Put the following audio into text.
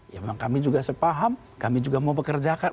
ya memang kami juga sepaham kami juga mau bekerjakan